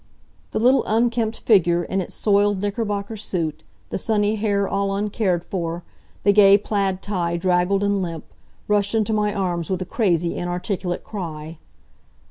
The little unkempt figure, in its soiled knickerbocker suit, the sunny hair all uncared for, the gay plaid tie draggled and limp, rushed into my arms with a crazy, inarticulate cry.